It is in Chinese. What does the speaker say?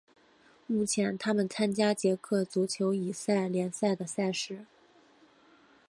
目前他们参加捷克足球乙级联赛的赛事。